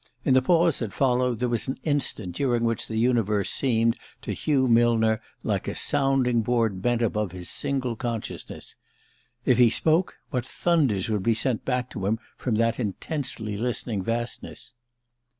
In the pause that followed there was an instant during which the universe seemed to Hugh Millner like a sounding board bent above his single consciousness. If he spoke, what thunders would be sent back to him from that intently listening vastness?